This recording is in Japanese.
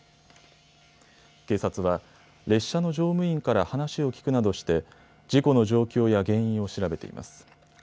警察は列車の乗務員から話を聞くなどして事故の状況や原因を調べています。